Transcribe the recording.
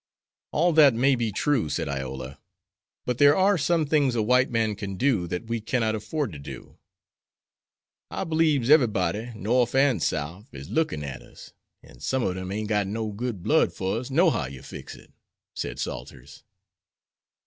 "All that may be true," said Iola, "but there are some things a white man can do that we cannot afford to do." "I beliebs eberybody, Norf and Souf, is lookin' at us; an' some ob dem ain't got no good blood fer us, nohow you fix it," said Salters.